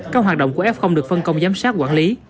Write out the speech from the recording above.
các hoạt động của f được phân công giám sát quản lý